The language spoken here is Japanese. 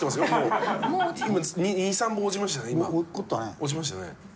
落ちましたね。